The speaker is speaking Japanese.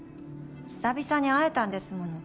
久々に会えたんですもの。